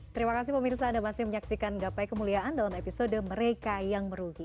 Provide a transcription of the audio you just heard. terima kasih pemirsa anda masih menyaksikan gapai kemuliaan dalam episode mereka yang merugi